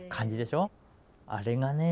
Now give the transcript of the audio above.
あれがね